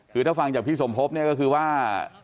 คือถ้าฟังจากพี่สมภพเนี่ยก็คือว่า